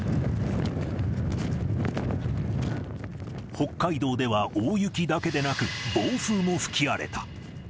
北海道では大雪だけでなく、暴風も吹き荒れた。